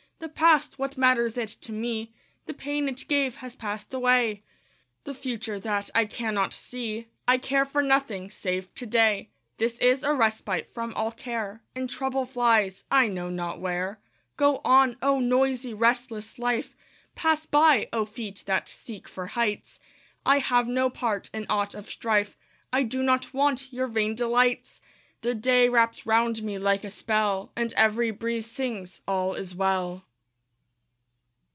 The past what matters it to me? The pain it gave has passed away. The future that I cannot see! I care for nothing save to day This is a respite from all care, And trouble flies I know not where. Go on, oh, noisy, restless life! Pass by, oh, feet that seek for heights! I have no part in aught of strife; I do not want your vain delights. The day wraps round me like a spell, And every breeze sings, "All is well."